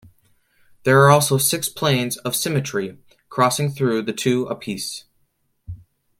There are also six planes of symmetry crossing through the two apices.